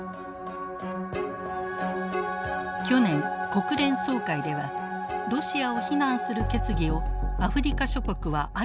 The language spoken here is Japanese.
去年国連総会ではロシアを非難する決議をアフリカ諸国は相次いで棄権。